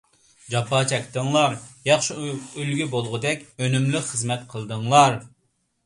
جاپا چەكتىڭلار. ياخشى ئۈلگە بولغۇدەك ئۈنۈملۈك خىزمەت قىلدىڭلار.